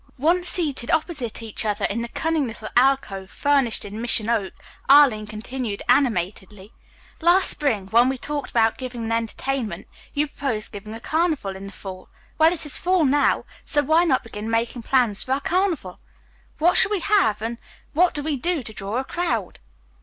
Once seated opposite each other in the cunning little alcove furnished in mission oak, Arline continued animatedly: "Last spring, when we talked about giving an entertainment, you proposed giving a carnival in the fall. Well, it is fall now, so why not begin making plans for our carnival! What shall we have, and what do we do to draw a crowd?"